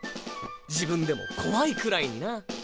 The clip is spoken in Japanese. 自分でも怖いくらいにな。